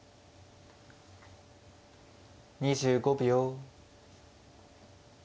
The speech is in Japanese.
２５秒。